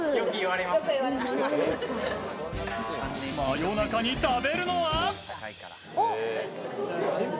夜中に食べるのは？